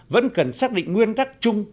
vẫn cần xác định nguyên tắc chung